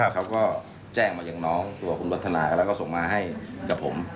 เขาก็แจ้งมาอย่างน้องตัวคุณวัฒนาแล้วก็ส่งมาให้กับผม